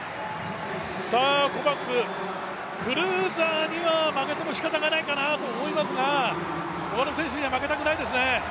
コバクス、クルーザーには負けてもしかたがないかなと思いますが、他の選手には負けたくないですね。